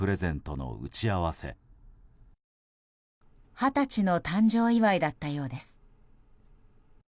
二十歳の誕生祝いだったようです。